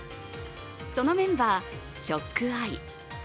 そのメンバー、ＳＨＯＣＫＥＹＥ。